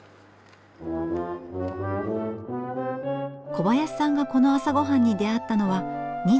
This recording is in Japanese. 小林さんがこの朝ごはんに出会ったのは２５歳の時。